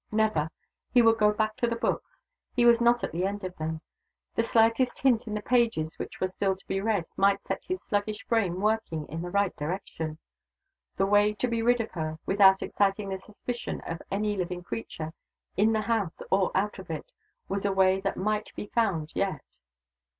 Never! He would go back to the books. He was not at the end of them. The slightest hint in the pages which were still to be read might set his sluggish brain working in the right direction. The way to be rid of her, without exciting the suspicion of any living creature, in the house or out of it, was a way that might be found yet.